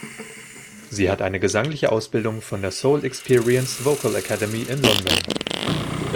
Sie hat eine gesangliche Ausbildung von der "Soul Experience Vocal Academy" in London.